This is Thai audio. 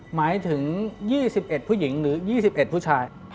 หมายถึง๒๑ผู้หญิงหรือ๒๑ผู้ชาย